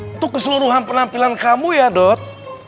untuk keseluruhan penampilan kamu ya dot